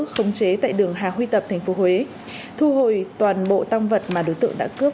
khống chế tại đường hà huy tập tp huế thu hồi toàn bộ tăng vật mà đối tượng đã cướp